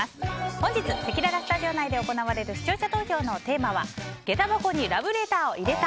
本日せきららスタジオ内で行われる視聴者投票のテーマはげた箱にラブレターを入れた